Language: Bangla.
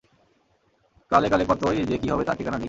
কালে কালে কতই যে কী হবে তার ঠিকানা নেই।